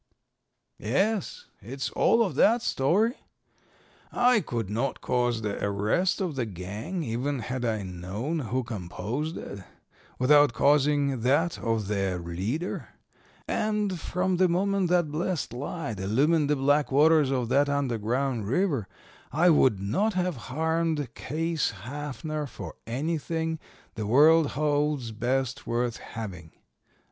"Yes, it's all of that story. I could not cause the arrest of the gang, even had I known who composed it, without causing that of their leader, and from the moment that blessed light illumined the black waters of that underground river I would not have harmed Case Haffner for anything the world holds best worth having.